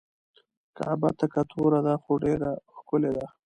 کعبه تکه توره ده خو ډیره ښکلې ده.